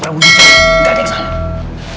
gak ada yang salah